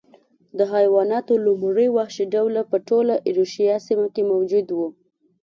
د حیواناتو لومړي وحشي ډولونه په ټوله ایرویشیا سیمه کې موجود و